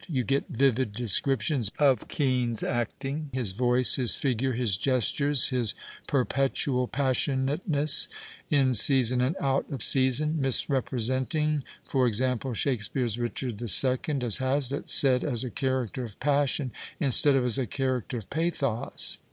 You get vivid descriptions of Kean's acting, his voice, his figure, his gestures, his perpetual passionateness, in season and out of season (misrepresenting — e.g., Shakespeare's Richard II., as Ilazlitt said, as a character of passion instead of as a character of pathos).